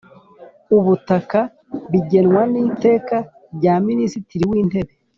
ubutaka bigenwa n Iteka rya Minisitiri w Intebe